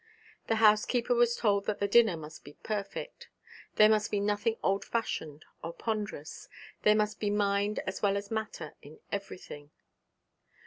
The housekeeper was told that the dinner must be perfect. There must be nothing old fashioned or ponderous; there must be mind as well as matter in everything.